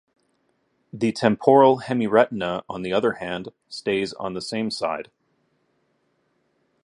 The temporal hemiretina, on the other hand, stays on the same side.